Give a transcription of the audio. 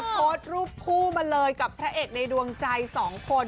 โพสต์รูปคู่มาเลยกับพระเอกในดวงใจ๒คน